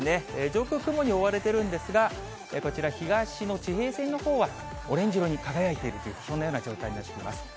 上空、雲に覆われているんですが、こちら東の地平線のほうはオレンジ色に輝いているというか、そんなような状態になっています。